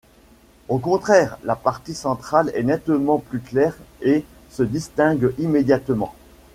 Au contraire la partie centrale est nettement plus claire et se distingue immédiatement.